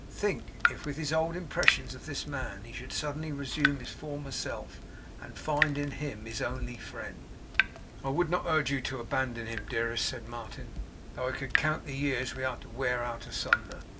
Think, if with his old impressions of this man, he should suddenly resume his former self, and find in him his only friend!' 'I would not urge you to abandon him, dearest,' said Martin, 'though I could count the years we are to wear out asunder.